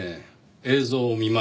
映像を見ました。